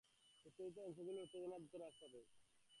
উত্তেজিত অংশগুলোর উত্তেজনা দ্রুত হ্রাস পাবে।